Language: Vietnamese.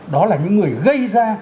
đó là những người gây ra